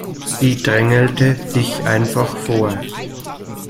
Sie drängelte sich einfach vor.